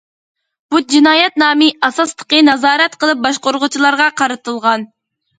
بۇ جىنايەت نامى ئاساسلىقى نازارەت قىلىپ باشقۇرغۇچىلارغا قارىتىلغان.